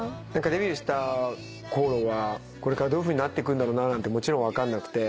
デビューしたころはこれからどういうふうになってくなんてもちろん分かんなくて。